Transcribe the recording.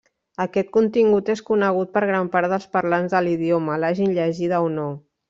Aquest contingut és conegut per gran part dels parlants de l'idioma, l'hagin llegida o no.